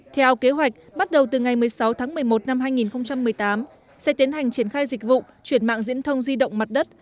theo kế hoạch bắt đầu từ ngày một mươi sáu tháng một mươi một năm hai nghìn một mươi tám sẽ tiến hành triển khai dịch vụ chuyển mạng diễn thông di động mặt đất